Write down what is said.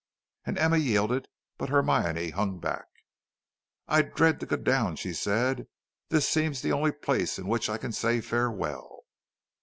And Emma yielded; but Hermione hung back. "I dread to go down," said she; "this seems the only place in which I can say farewell."